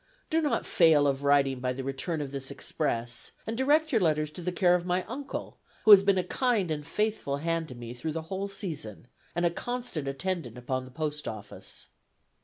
Do not fail of writing by the return of this express, and direct your letters to the care of my uncle, who has been a kind and faithful hand to me through the whole season, and a constant attendant upon the post office."